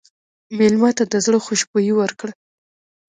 مېلمه ته د زړه خوشبويي ورکړه.